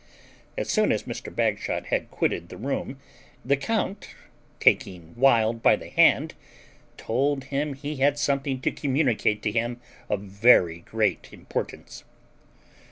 As soon as Mr. Bagshot had quitted the room the count, taking Wild by the hand, told him he had something to communicate to him of very great importance.